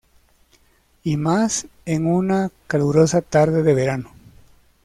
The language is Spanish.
Y más en una calurosa tarde de verano".